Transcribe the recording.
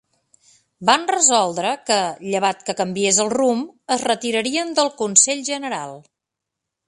Van resoldre que, llevat que canviés de rumb, es retirarien del consell general.